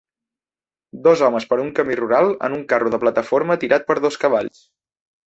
Dos homes per un camí rural en un carro de plataforma tirat per dos cavalls.